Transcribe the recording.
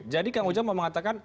jadi kang ujam mau mengatakan